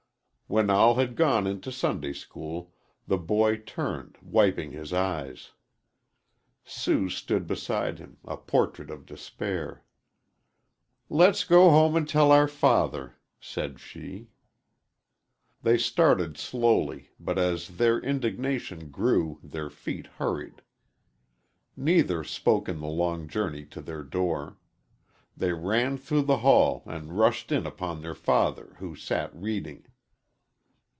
When all had gone into Sunday school, the boy turned, wiping his eyes. Sue stood beside him, a portrait of despair. "Le's go home an' tell our father," said she. They started slowly, but as their indignation grew their feet hurried. Neither spoke in the long journey to their door. They ran through the hall and rushed in upon their father who sat reading.